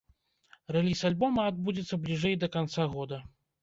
Рэліз альбома адбудзецца бліжэй да канца года.